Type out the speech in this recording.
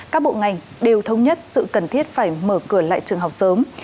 các bộ ngành đều thống nhất sự cần thiết phải mở cửa lại trường học sớm